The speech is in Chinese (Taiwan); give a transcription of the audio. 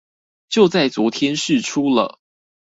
就在昨天釋出了